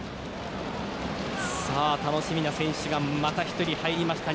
楽しみな選手がまた１人入りました。